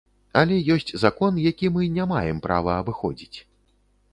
Але ёсць закон, які мы не маем права абыходзіць.